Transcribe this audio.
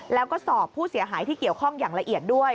แล้วก็สอบผู้เสียหายที่เกี่ยวข้องอย่างละเอียดด้วย